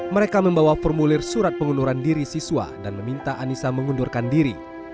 mereka membawa formulir surat pengunduran diri siswa dan meminta anissa mengundurkan diri